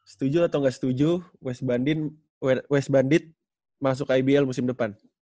setuju atau nggak setuju west bandit masuk ibl musim depan